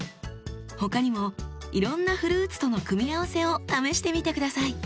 他にもいろんなフルーツとの組み合わせを試してみて下さい。